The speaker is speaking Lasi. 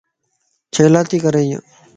ڇيلاتي ڪري ايي؟